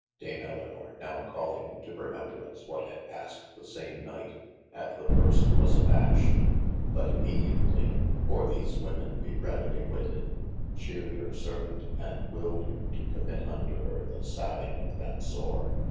Dame Elynor now calling to remembrance what had passed the same night, at the first was abashed, but immediatly (for these women be redily witted) chered hir servaunt, and willed him to commit unto hir the salving of that sore.